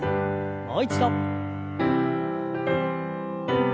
もう一度。